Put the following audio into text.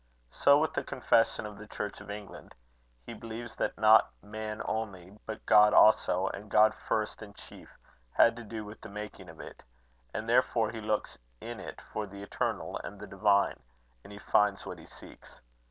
So with the confession of the Church of England: he believes that not man only, but God also, and God first and chief, had to do with the making of it; and therefore he looks in it for the Eternal and the Divine, and he finds what he seeks.